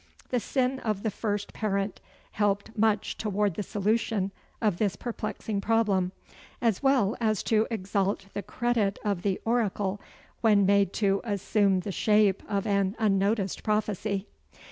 The sin of the first parent helped much toward the solution of this perplexing problem, as well as to exalt the credit of the oracle, when made to assume the shape of an unnoticed prophecy.